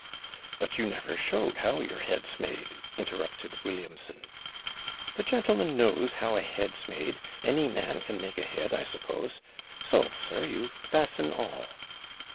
'But you never showed how your head's made,' interrupted Williamson. 'The gentleman knows how a head's made; any man can make a head, I suppose; so, sir, you fasten all.'